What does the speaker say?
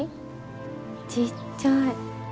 ちっちゃい。